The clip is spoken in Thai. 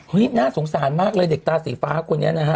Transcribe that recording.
น่าสงสารมากเลยเด็กตาสีฟ้าคนนี้นะฮะ